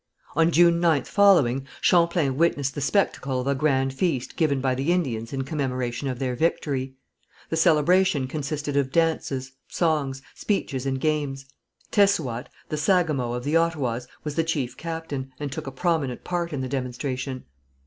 On June 9th following, Champlain witnessed the spectacle of a grand feast given by the Indians in commemoration of their victory. The celebration consisted of dances, songs, speeches and games. Tessoüat, the sagamo of the Ottawas, was the chief captain, and took a prominent part in the demonstration.